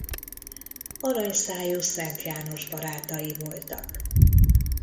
Aranyszájú Szent János barátai voltak.